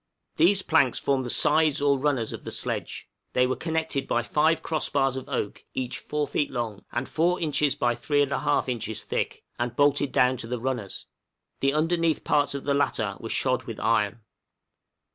These planks formed the sides or runners of the sledge; they were connected by five cross bars of oak, each 4 feet long, and 4 inches by 3 1/2 inches thick, and bolted down to the runners; the underneath parts of the latter were shod with iron.